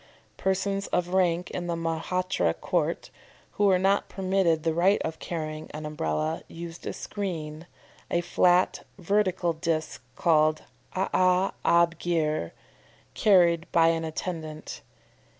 Persons of rank in the Mahratta court, who were not permitted the right of carrying an Umbrella, used a screen, a flat vertical disc called AA' ab gir, carried by an attendant.